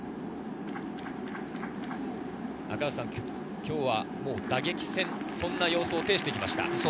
今日は打撃戦、そんな想定を呈してきました。